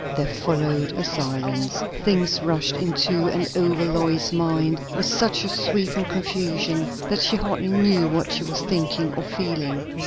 There followed a silence. Things rushed into and over Lois's mind with such a sweep and confusion, that she hardly knew what she was thinking or feeling.